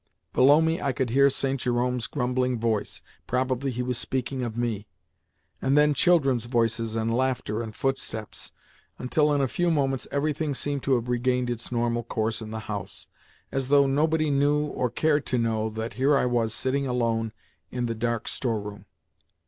Below me I could hear St. Jerome's grumbling voice (probably he was speaking of me), and then children's voices and laughter and footsteps; until in a few moments everything seemed to have regained its normal course in the house, as though nobody knew or cared to know that here was I sitting alone in the dark store room!